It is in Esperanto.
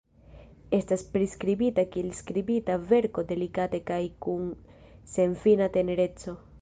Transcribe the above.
Estas priskribita kiel skribita verko delikate kaj kun senfina tenereco.